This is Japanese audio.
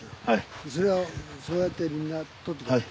それをそうやってみんな採っていく。